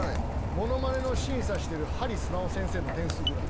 ものまねの審査してる針すなお先生の点数ぐらい。